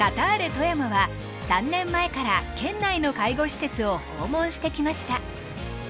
富山は３年前から県内の介護施設を訪問してきました。